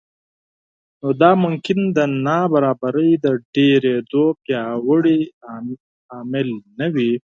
نو دا ممکن د نابرابرۍ د ډېرېدو پیاوړی عامل نه وي